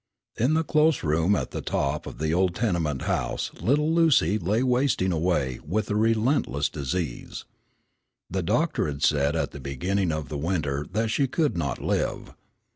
In the close room at the top of the old tenement house little Lucy lay wasting away with a relentless disease. The doctor had said at the beginning of the winter that she could not live.